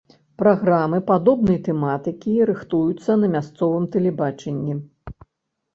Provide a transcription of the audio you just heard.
Праграмы падобнай тэматыкі рыхтуюцца на мясцовым тэлебачанні.